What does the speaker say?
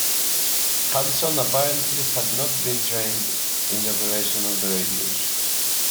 Hudson apparently had not been trained in the operation of the radios.